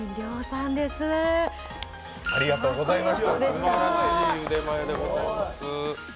すばらしい腕前でございます。